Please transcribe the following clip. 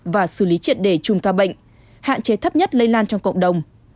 và xử lý triệt đề chung toa bệnh hạn chế thấp nhất lây lan trong cộng đồng